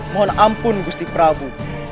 mohon ampun gusti prabu